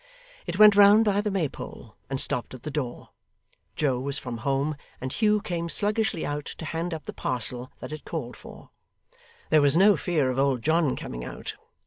It went round by the Maypole, and stopped at the door. Joe was from home, and Hugh came sluggishly out to hand up the parcel that it called for. There was no fear of old John coming out.